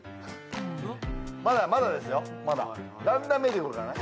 まだまだですよまだだんだん見えてくるからね